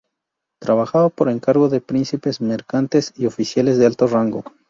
Trabajaba por encargo de príncipes mercantes y oficiales de alto rango.